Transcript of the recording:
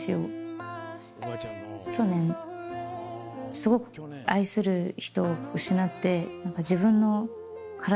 すごく愛する人を失って。